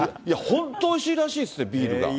本当、おいしいらしいですね、ビールが。